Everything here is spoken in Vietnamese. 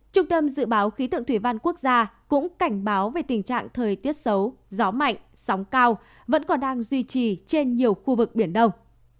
trung tâm dự báo khí tượng thủy văn quốc gia cũng cảnh báo về tình trạng thời tiết xấu gió mạnh sóng cao vẫn còn đang duy trì trên nhiều khu vực biển đông